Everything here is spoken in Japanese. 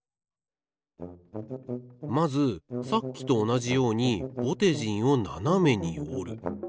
まずさっきとおなじようにぼてじんをななめにおる。